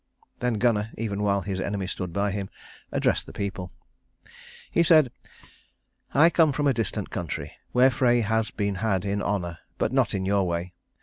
Then Gunnar, even while his enemy stood by him, addressed the people. He said, "I come from a distant country, where Frey has been had in honour, but not in your way.